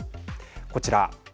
こちら。